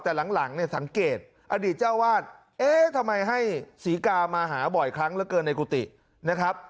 แต่หลังเนี่ยสังเกตอดีตเจ้าวาดเอ๊ะทำไมให้ศรีกามาหาบ่อยครั้งเหลือเกินในกุฏินะครับ